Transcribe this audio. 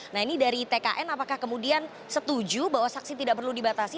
nah ini dari tkn apakah kemudian setuju